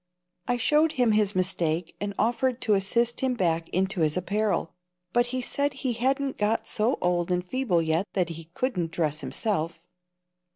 I showed him his mistake and offered to assist him back into his apparel, but he said he hadn't got so old and feeble yet that he couldn't dress himself.